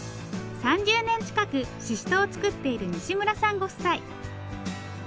３０年近くししとうを作っている西村さんご夫妻。